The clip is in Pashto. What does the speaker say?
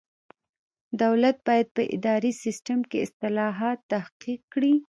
دولت باید په اداري سیسټم کې اصلاحات تحقق کړي.